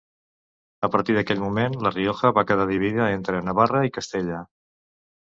A partir d'aquest moment La Rioja va quedar dividida entre Navarra i Castella.